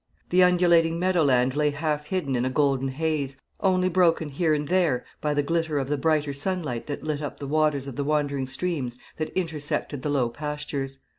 The undulating meadow land lay half hidden in a golden haze, only broken here and there by the glitter of the brighter sunlight that lit up the waters of the wandering streams that intersected the low pastures.